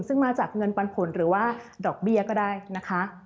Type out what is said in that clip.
ซึ่งมาจากเงินปันผลหรือว่าดอกเบี้ยก็ได้นะคะ